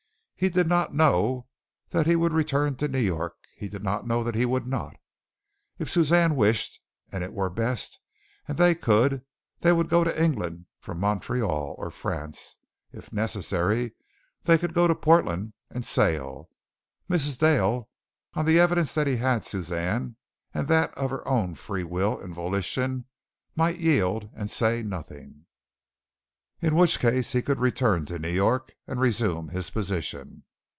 He did not know that he would return to New York he did not know that he would not. If Suzanne wished, and it were best, and they could, they would go to England from Montreal, or France. If necessary, they could go to Portland and sail. Mrs. Dale, on the evidence that he had Suzanne and that of her own free will and volition, might yield and say nothing, in which case he could return to New York and resume his position.